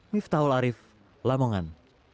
miftahul arif lamongan